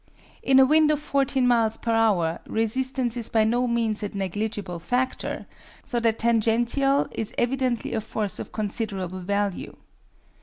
In a wind of 14 miles per hour resistance is by no means a negligible factor, so that tangential is evidently a force of considerable value.